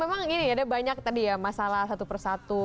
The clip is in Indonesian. memang ini ada banyak tadi ya masalah satu persatu